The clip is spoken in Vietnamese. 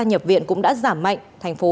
nhập viện cũng đã giảm mạnh thành phố